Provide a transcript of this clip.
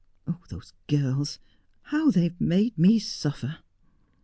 Oh those girls ! how they have made me sutler